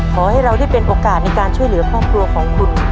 ขอให้เราได้เป็นโอกาสในการช่วยเหลือครอบครัวของคุณ